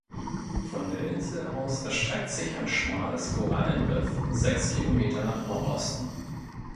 Von der Insel aus erstreckt sich ein schmales Korallenriff sechs Kilometer nach Nordosten.